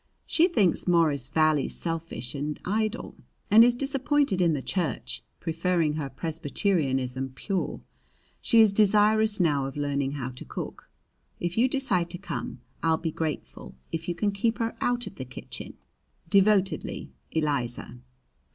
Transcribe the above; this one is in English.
She thinks Morris Valley selfish and idle, and is disappointed in the church, preferring her Presbyterianism pure. She is desirous now of learning how to cook. If you decide to come I'll be grateful if you can keep her out of the kitchen. Devotedly, ELIZA.